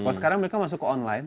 kalau sekarang mereka masuk ke online